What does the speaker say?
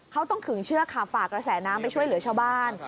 เขาต้องขึงเชือกค่ะฝากกระแสน้ำไปช่วยเหลือชาวบ้าน